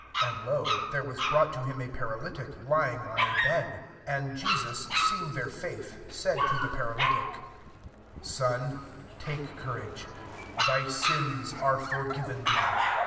^ And, lo, there was brought to him a paralytic, lying on a bed : and Jesus seeing their &ith, saidto the paralytic, << Son, take coiK'Sige ; thy sins are forgiven thee."